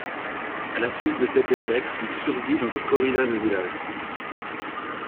À la suite de cet échec, il survit dans des corridas de village.